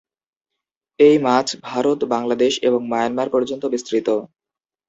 এই মাছ ভারত, বাংলাদেশ এবং মায়ানমার পর্যন্ত বিস্তৃত।